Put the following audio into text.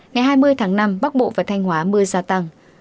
ngày hai mươi tháng năm bắc bộ và thanh hóa mưa gia tăng